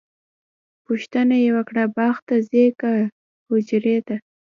پوښتنه یې وکړه باغ ته ځئ که حجرې ته؟